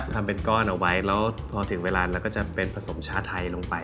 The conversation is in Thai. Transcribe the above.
ทำเป็นก้อนเอาไว้แล้วพอถึงเวลาเราก็จะเป็นผสมชาไทยลงไป